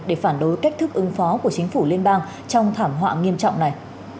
để phản đối cách thức ứng phó của chính phủ liên bang trong thảm họa nghiêm trọng này